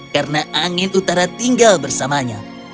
karena angin utara tinggal bersamanya